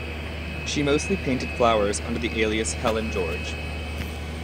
She mostly painted flowers under the alias Helen George.